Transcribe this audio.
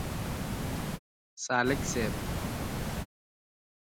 سالک صیب.